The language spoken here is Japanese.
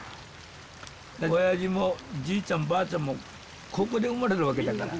おやじもじいちゃんばあちゃんもここで産まれるわけだから。